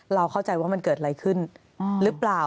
เราเข้าใจว่ามันเกิดอะไรขึ้นหรือเปล่า